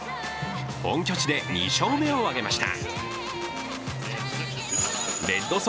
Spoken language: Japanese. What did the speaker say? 本拠地で２勝目を挙げました。